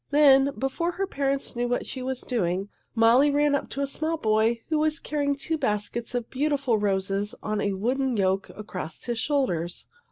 Then, before her parents knew what she was doing, Molly ran up to a small boy who was carrying two baskets of beautiful roses on a wooden yoke across his shoulders.